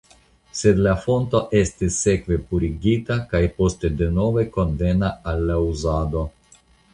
Sed la fonto estis sekve purigita kaj poste denove konvena al la uzado.